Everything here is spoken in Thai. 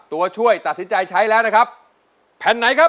ตัวช่วยตัดสินใจใช้แล้วนะครับแผ่นไหนครับ